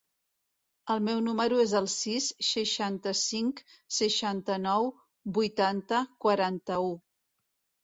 El meu número es el sis, seixanta-cinc, seixanta-nou, vuitanta, quaranta-u.